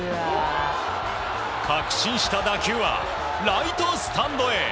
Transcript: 確信した打球はライトスタンドへ。